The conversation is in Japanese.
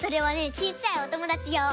ちいちゃいおともだちよう。